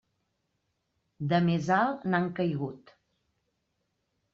De més alt n'han caigut.